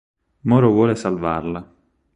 Moro vuole salvarla.